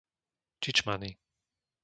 Čičmany